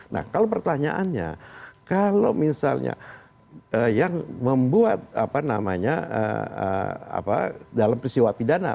nah kalau pertanyaannya kalau misalnya yang membuat apa namanya dalam peristiwa pidana